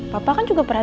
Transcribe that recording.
papa kan juga perhatian